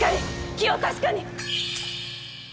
気を確かに！